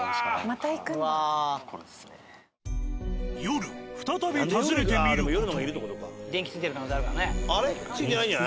まだ再び訪ねてみると。